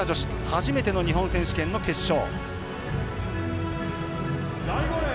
初めての日本選手権の決勝。